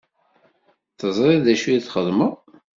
Teẓriḍ d acu i xedmeɣ?